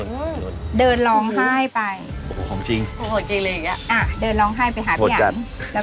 พี่น้ำค้าดูเหรอว่ากินน้ำแดง